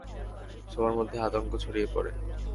সবার মধ্যে আতঙ্ক ছড়িয়ে পড়ে।